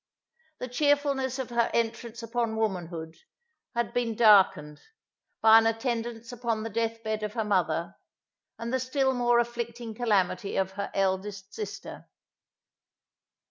The cheerfulness of her entrance upon womanhood, had been darkened, by an attendance upon the death bed of her mother, and the still more afflicting calamity of her eldest sister.